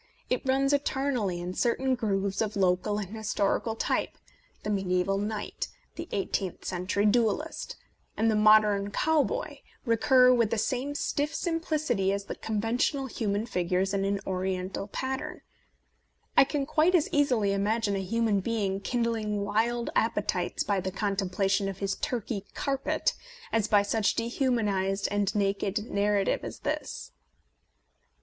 It runs eternally in certain grooves of local A Defence of Penny Dreadfuls and historical type : the medieval knight, the eighteenth century duellist, and the modern cowboy, recur with the same stiff sim plicity as the conventional human figures in an Oriental pattern. I can quite as easily imagine a human being kindling wild appe tites by the contemplation of his Turkey carpet as by such dehumanized and naked narrative as this.